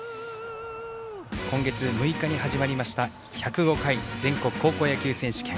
今月６日に始まりました１０５回全国高校野球選手権。